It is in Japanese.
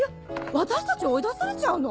私たち追い出されちゃうの⁉